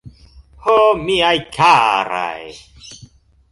Ho, miaj karaj!